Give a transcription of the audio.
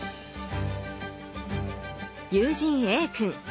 友人Ａ君。